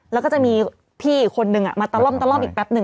แล้วก็จะมีพี่อีกคนนึงมาตะล่อมตะล่อมอีกแป๊บนึ